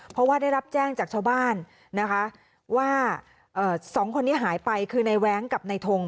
เพราะว่าได้รับแจ้งจากชาวบ้านนะคะว่าสองคนนี้หายไปคือในแว้งกับนายทง